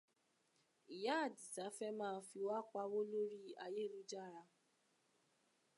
Ìyá Àdìsá fẹ́ ma fi wá pawó lórí ayélujára.